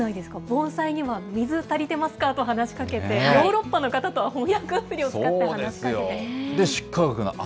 盆栽には水足りてますかと話しかけて、ヨーロッパの方とは翻訳アプリを使って話しかけて。